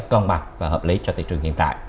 công bằng và hợp lý cho thị trường hiện tại